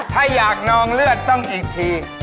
ถ้าอยากนองเลือดต้องอีกที